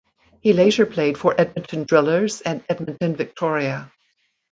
He later played for Edmonton Drillers and Edmonton Victoria.